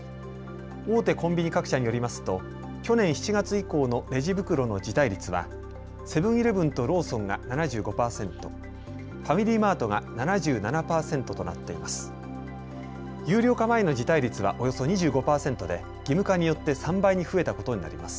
大手コンビニ各社によりますと去年７月以降のレジ袋の辞退率はセブン‐イレブンとローソンが７５％、ファミリーマートが７７％となっています。